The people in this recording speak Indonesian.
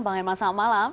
bang herman selamat malam